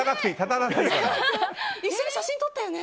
一緒に写真撮ったよね！